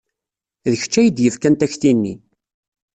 D kečč ay d-yefkan takti-nni.